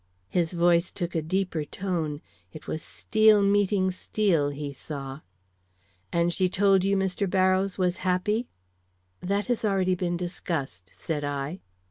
His voice took a deeper tone; it was steel meeting steel, he saw. "And she told you Mr. Barrows was happy?" "That has been already discussed," said I.